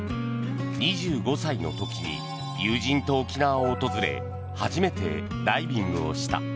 ２５歳の時に友人と沖縄を訪れ初めてダイビングをした。